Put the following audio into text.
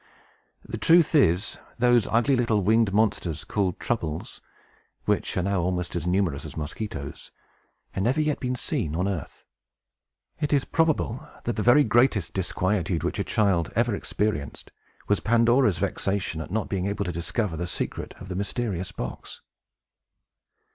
The truth is, those ugly little winged monsters, called Troubles, which are now almost as numerous as mosquitoes, had never yet been seen on the earth. It is probable that the very greatest disquietude which a child had ever experienced was Pandora's vexation at not being able to discover the secret of the mysterious box.